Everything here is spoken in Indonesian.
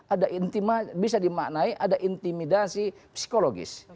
ada intima bisa dimaknai ada intimidasi psikologis